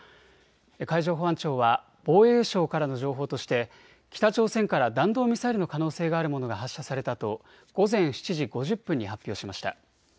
海上保安庁は防衛省からの情報として北朝鮮から弾道ミサイルの可能性があるものが発射されたと午前７時５０分に発表しました。